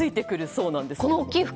そうなんです。